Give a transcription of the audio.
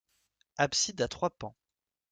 Abside à trois pans.